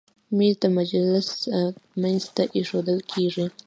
مېز د مجلس منځ ته ایښودل کېږي.